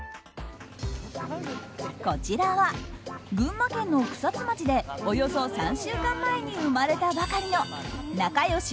こちらは群馬県の草津町でおよそ３週間前に生まれたばかりの仲良し